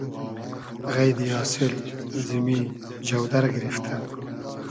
غݷدی آسیل زیمی جۆدئر گیریفتۂ